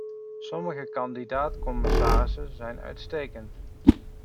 Sommige kandidaat-commissarissen zijn uitstekend.